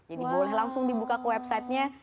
jadi boleh langsung dibuka ke websitenya